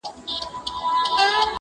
د کښتۍ د چلولو پهلوان یې،